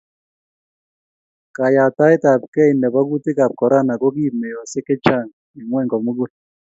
Kayabtaetabkei nebo kutikab korona ko kiib meosiek chechang eng ngwony komugul